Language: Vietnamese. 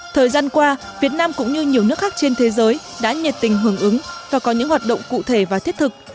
thời gian qua việt nam cũng như nhiều nước khác trên thế giới đã nhiệt tình hưởng ứng và có những hoạt động cụ thể và thiết thực